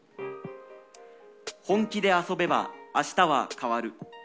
本気で遊べばあしたは変わる。